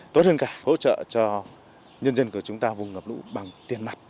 tốt hơn cả hỗ trợ cho nhân dân của chúng ta vùng ngập lũ bằng tiền mặt